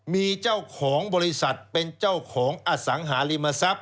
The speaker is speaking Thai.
มีเจ้าของบริษัทเป็นเจ้าของอสังหาริมทรัพย